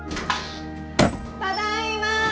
ただいま！